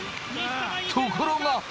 ところが。